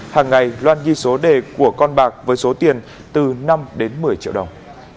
hàng ngày loan ghi số đề của con bạc với số tiền từ năm đến một mươi triệu đồng